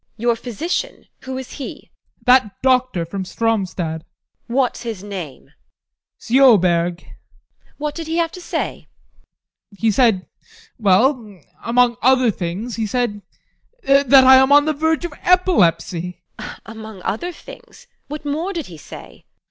Your physician? Who is he? ADOLPH. That doctor from Stromstad. TEKLA. What's his name? ADOLPH. Sjoberg. TEKLA. What did he have to say? ADOLPH. He said well among other things he said that I am on the verge of epilepsy TEKLA. Among other things? What more did he say?